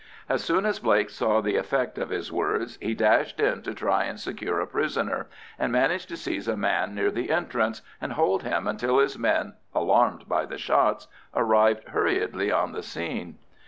As soon as Blake saw the effects of his words he dashed in to try and secure a prisoner, and managed to seize a man near the entrance, and hold him until his men, alarmed by the shots, arrived hurriedly on the scene.